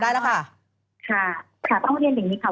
ได้แล้วค่ะค่ะค่ะต้องเรียนอย่างนี้ค่ะ